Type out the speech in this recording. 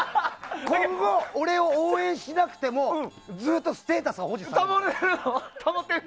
今後、俺を応援しなくてもずっとステータスは保持される。